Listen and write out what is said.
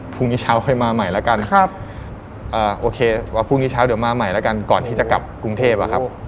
พรุ่งนี้เช้าค่อยมาใหม่แล้วกันครับโอเคว่าพรุ่งนี้เช้าเดี๋ยวมาใหม่แล้วกันก่อนที่จะกลับกรุงเทพอะครับ